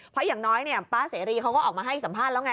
เพราะอย่างน้อยป๊าเสรีเขาก็ออกมาให้สัมภาษณ์แล้วไง